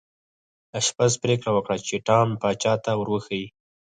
آشپز پریکړه وکړه چې ټام پاچا ته ور وښيي.